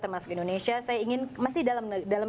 termasuk indonesia saya ingin masih dalam